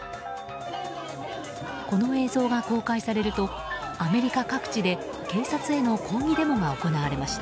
この映像が公開されるとアメリカ各地で警察への抗議デモが行われました。